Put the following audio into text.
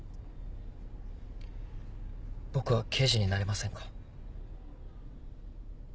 僕は刑事になれませんか？